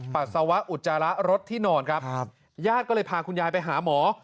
ปัสสาวะอุจจาระรถที่นอนครับญาติก็เลยพาคุณยายไปหาหมอ